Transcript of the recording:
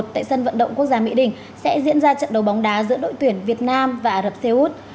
tại sân vận động quốc gia mỹ đình sẽ diễn ra trận đấu bóng đá giữa đội tuyển việt nam và ả rập xê út